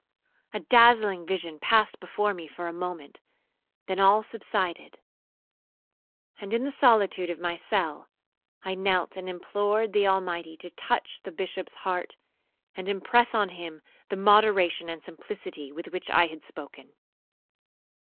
A dazzling vision passed before me for a moment, then all subsided; and, in the solitude of my cell, I knelt and implored the Almighty to touch the Bishop's heart, and impress on him the moderation and simplicity with which I had spoken.